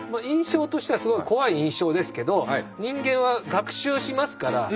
印象としてはすごく怖い印象ですけど人間は学習しますから。